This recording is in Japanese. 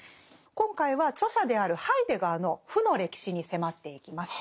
今回は著者であるハイデガーの負の歴史に迫っていきます。